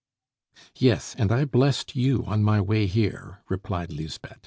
"Yes, and I blessed you on my way here," replied Lisbeth.